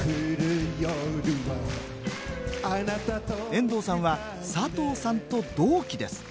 遠藤さんは佐藤さんと同期です。